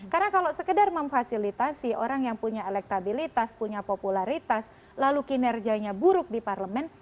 karena kalau sekedar memfasilitasi orang yang punya elektabilitas punya popularitas lalu kinerjanya buruk di parlemen